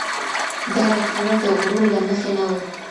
دا رد کول د غرور له مخې نه و.